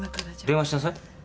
電話しなさい。